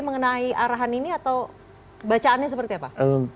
mengenai arahan ini atau bacaannya seperti apa